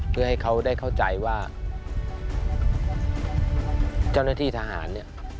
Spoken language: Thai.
เพื่อให้เขาได้เข้าใจว่าเจ้าหน้าที่ทหารเนี่ย